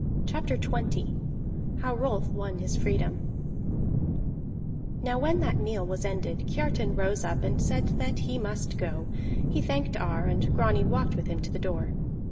CHAPTER XX HOW ROLF WON HIS FREEDOM Now when that meal was ended, Kiartan rose up and said that he must go; he thanked Ar, and Grani walked with him to the door.